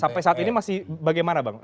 sampai saat ini masih bagaimana bang